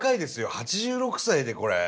８６歳でこれ。